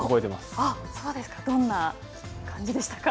どんな感じでしたか。